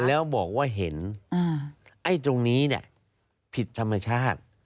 แล้วบอกว่าเห็นไอ้ตรงนี้เนี่ยผิดธรรมชาติ